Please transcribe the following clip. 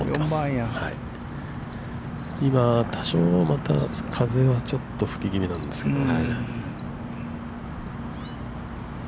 ◆今、多少また風はちょっと吹きぎみなんですけどね。